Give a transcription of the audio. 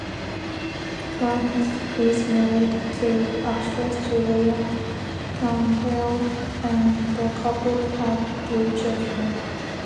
Karnes is married to actress Julia Campbell and the couple have two children.